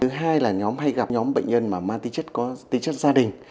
thứ hai là nhóm hay gặp nhóm bệnh nhân mà mang tính chất gia đình